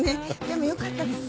でもよかったです。